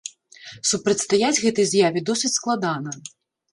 Супрацьстаяць гэтай з'яве досыць складана.